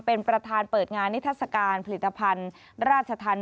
เป็นประธานเปิดงานนิทัศกาลผลิตภัณฑ์ราชธรรม